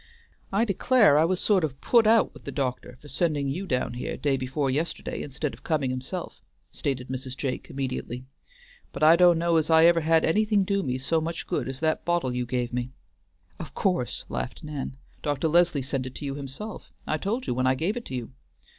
"I declare I was sort of put out with the doctor for sending you down here day before yesterday instead of coming himself," stated Mrs. Jake immediately, "but I do' know's I ever had anything do me so much good as that bottle you gave me." "Of course!" laughed Nan. "Dr. Leslie sent it to you himself. I told you when I gave it to you."